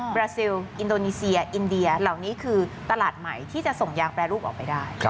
ราซิลอินโดนีเซียอินเดียเหล่านี้คือตลาดใหม่ที่จะส่งยางแปรรูปออกไปได้